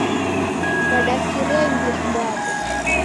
Wadakiria imbiri kwaw'o